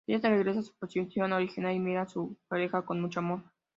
Ella regresa a su posición original y mira a su pareja con mucho amor.